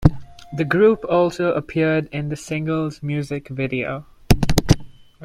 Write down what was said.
The group also appeared in the single's music video.